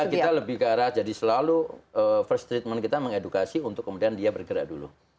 kita lebih ke arah jadi selalu first treatment kita mengedukasi untuk kemudian dia bergerak dulu